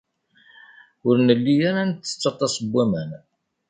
Ur nelli ara nettes aṭas n waman.